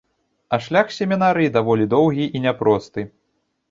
А шлях семінарыі даволі доўгі і няпросты.